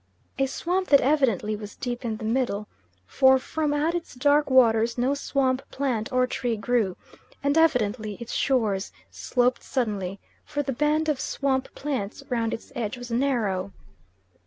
A swamp that evidently was deep in the middle, for from out its dark waters no swamp plant, or tree grew, and evidently its shores sloped suddenly, for the band of swamp plants round its edge was narrow.